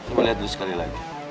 coba lihat dulu sekali lagi